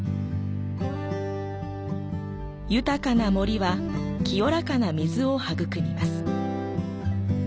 豊かな森は清らかな水を育みます。